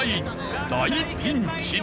大ピンチに。